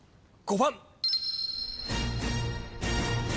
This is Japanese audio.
５番。